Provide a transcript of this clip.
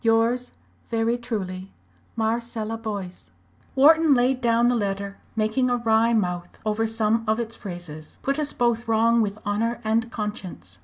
"Yours very truly, "MARCELLA BOYCE." Wharton laid down the letter, making a wry mouth over some of its phrases. "'_Put us both wrong with honour and conscience.'